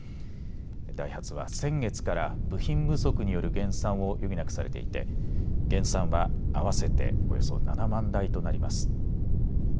ダイハツは、先月から部品不足による減産を余儀なくされていて減産は合わせておよそ７万台となります。